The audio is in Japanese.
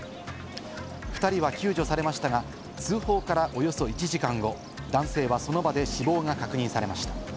２人は救助されましたが、通報からおよそ１時間後、男性はその場で死亡が確認されました。